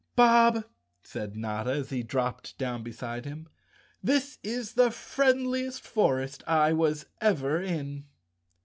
"Bob," said Notta, as he dropped down beside him, " this is the friendliest forest I was ever in."